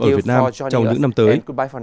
ở việt nam trong những năm tới